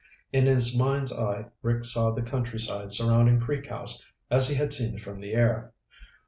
In his mind's eye Rick saw the countryside surrounding Creek House as he had seen it from the air.